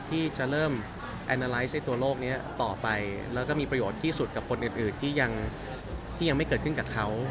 ที่จะเริ่มแอนนาไลท์ในตัวโลกนี้ต่อไปแล้วก็มีประโยชน์ที่สุดกับคนอื่นที่ยังไม่เกิดขึ้นกับเขา